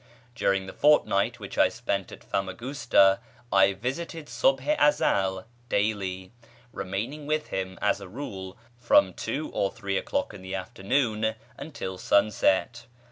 During the fortnight which I spent at Famagusta I visited Subh i Ezel daily, remaining [page xxv] with him as a rule from two or three o'clock in the afternoon until sunset.